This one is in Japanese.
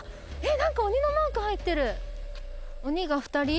何か鬼のマーク入ってる鬼が２人？